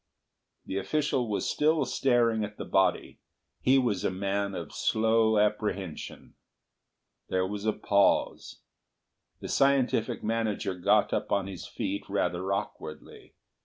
The official was still staring at the body. He was a man of slow apprehension. There was a pause. The scientific manager got up on his feet rather awkwardly.